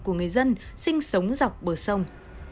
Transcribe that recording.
của người dân sinh sống dọc bờ sông